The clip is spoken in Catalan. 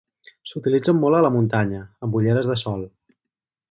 S'utilitzen molt a la muntanya, amb ulleres de sol.